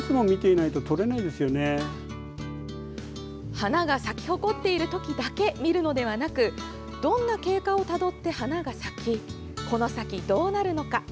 花が咲き誇っている時だけ見るのではなくどんな経過をたどって花が咲きこの先どうなるのか。